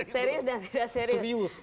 serius dan tidak serius